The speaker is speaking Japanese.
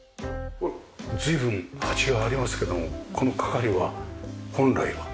随分鉢がありますけどもこの係は本来は？